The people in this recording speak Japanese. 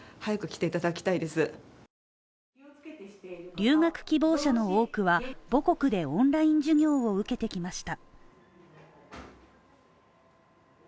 留学希望者の多くは、母国でオンライン授業を受けてきました。